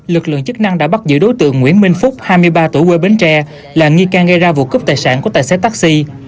lực lượng chức năng đã bắt giữ đối tượng nguyễn minh phúc hai mươi ba tuổi quê bến tre là nghi can gây ra vụ cướp tài sản của tài xế taxi